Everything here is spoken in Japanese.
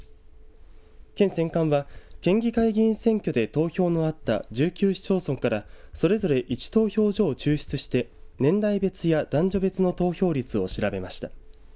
県選管は県議会議員選挙で投票のあった１９市町村からそれぞれ１投票所を抽出して年代別や男女別の投票率を調べました。